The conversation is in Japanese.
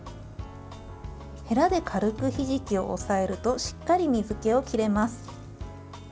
へらで軽くひじきを押さえるとしっかり水けを切れます。